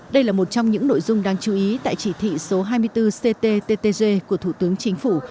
đây là một trong những nội dung đáng chú ý tại chỉ thị số hai mươi bốn cttg của thủ tướng chính phủ